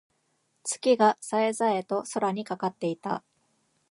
月が冴え冴えと空にかかっていた。